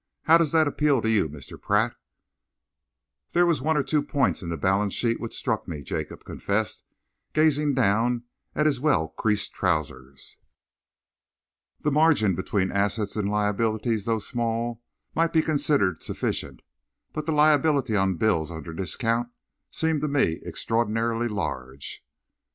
How does that appeal to you, Mr. Pratt?" "There were one or two points in the balance sheet which struck me," Jacob confessed, gazing down at his well creased trousers. "The margin between assets and liabilities, though small, might be considered sufficient, but the liability on bills under discount seemed to me extraordinarily large."